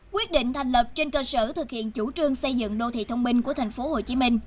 quyết định thành lập trên cơ sở thực hiện chủ trương xây dựng đô thị thông minh của thành phố hồ chí minh